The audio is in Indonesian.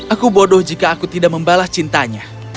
aku bodoh jika aku tidak membalas cintanya